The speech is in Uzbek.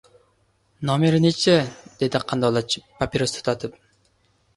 — Nomeri nechchi? — dedi qandolatchi papiros tutatib.